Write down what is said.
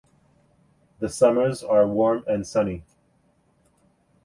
The summers are warm and sunny.